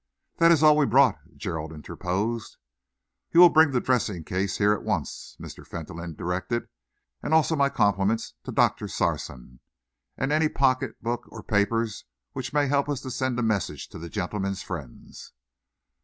"That is all we brought," Gerald interposed. "You will bring the dressing case here at once," Mr. Fentolin directed, "and also my compliments to Doctor Sarson, and any pocket book or papers which may help us to send a message to the gentleman's friends."